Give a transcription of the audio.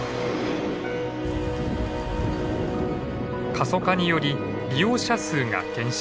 過疎化により利用者数が減少。